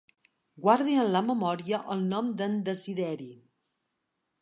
Guardi en la memòria el nom d'en Desideri.